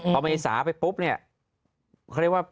พอเมษาไปปุ๊บเนี่ย